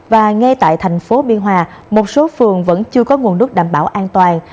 và ngay tại thành phố biên hòa một số phường vẫn chưa có nguồn nước đảm bảo an toàn